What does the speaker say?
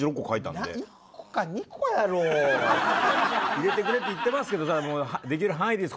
入れてくれって言ってますけどできるだけですよ。